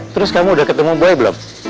terus kamu udah ketemu buaya belum